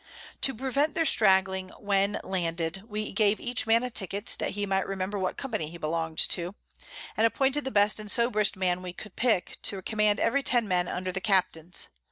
To prevent their stragling when landed, we gave each Man a Ticket, that he might remember what Company he belong'd to; and appointed the best and soberest Man we could pick to command every ten Men under the Captains.